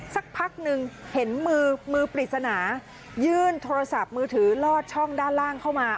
สักพักหนึ่งเห็นมือมือปริศนายื่นโทรศัพท์มือถือลอดช่องด้านล่างเข้ามา